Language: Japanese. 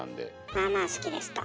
「まあまあ好きです」と。